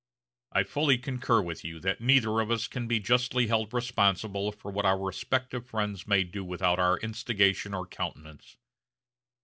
I fully concur with you that neither of us can be justly held responsible for what our respective friends may do without our instigation or countenance....